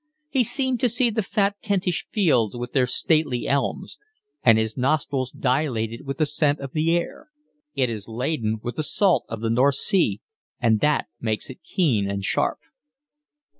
He seemed to see the fat Kentish fields with their stately elms; and his nostrils dilated with the scent of the air; it is laden with the salt of the North Sea, and that makes it keen and sharp.